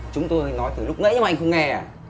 chúng tôi nói từ lúc nãy nhưng mà anh không nghe à